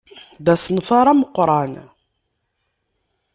D asenfar amuqran.